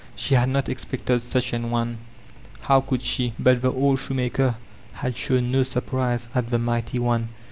She had not expected soch an one; how ooold she? But the Ok! Shoemaker had shown no surprise at the Mighty One.